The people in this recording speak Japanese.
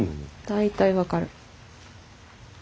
大体分かる。